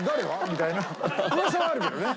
みたいな噂はあるけどね。